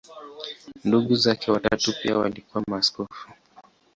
Ndugu zake watatu pia walikuwa maaskofu.